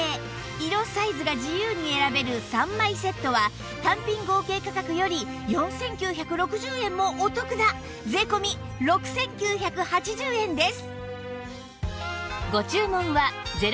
色サイズが自由に選べる３枚セットは単品合計価格より４９６０円もお得な税込６９８０円です